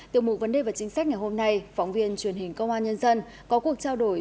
tiểu mục vấn đề và chính sách ngày hôm nay phóng viên truyền hình công an nhân dân có cuộc trao đổi